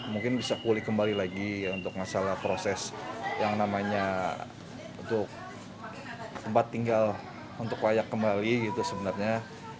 mungkin bisa pulih kembali lagi untuk masalah proses yang namanya untuk tempat tinggal untuk layak kembali gitu sebenarnya